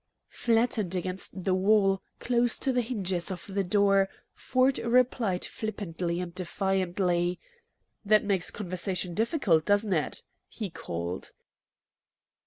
Flattened against the wall, close to the hinges of the door, Ford replied flippantly and defiantly: "That makes conversation difficult, doesn't it?" he called.